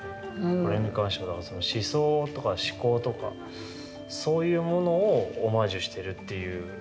これに関しては思想とか思考とかそういうものをオマージュしてるっていうことですよね。